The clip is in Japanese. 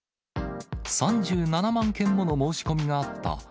３７万件もの申し込みがあった、